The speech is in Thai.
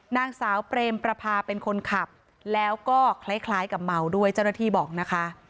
นางสาวเปรมประพาเป็นคนขับแล้วก็คล้ายกับเมาด้วยเจ้าหน้าที่บอกนะคะ